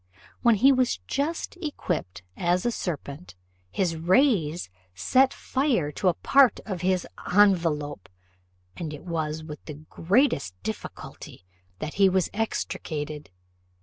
When he was just equipped as a serpent, his rays set fire to part of his envelope, and it was with the greatest difficulty that he was extricated.